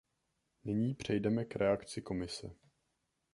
Nyní přejdeme k reakci Komise.